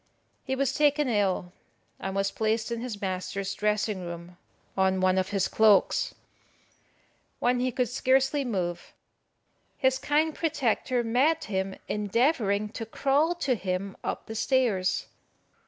He was taken ill, and was placed in his master's dressing room on one of his cloaks. When he could scarcely move, his kind protector met him endeavouring to crawl to him up the stairs.